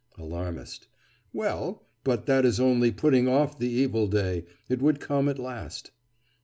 ALARMIST: Well, but that is only putting off the evil day—it would come at last.